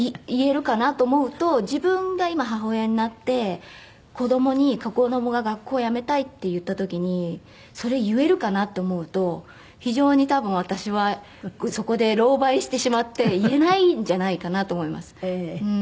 言えるかなと思うと自分が今母親になって子供が学校辞めたいって言った時にそれ言えるかなと思うと非常に多分私はそこで狼狽してしまって言えないんじゃないかなと思います。